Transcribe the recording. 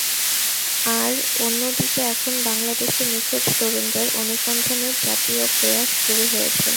আর অন্যদিকে এখন বাংলাদেশে নিখোঁজ তরুণদের অনুসন্ধানের জাতীয় প্রয়াস শুরু হয়েছে।